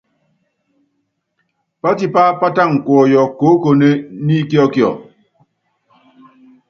Pátipá pátaka kuɔyɔ koókone ni íkiɔkiɔ.